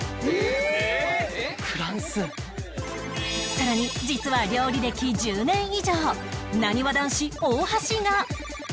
さらに実は料理歴１０年以上なにわ男子大橋が